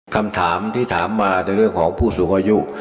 คำถามที่ถามมาในเรื่องของผู้สูงอายุ